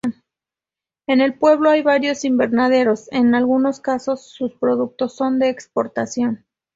En el pueblo hay varios invernaderos, en algunos casos sus productos son de exportación.